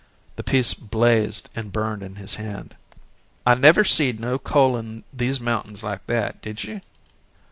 The piece blazed and burned in his hand. "I never seed no coal in these mountains like that did you?"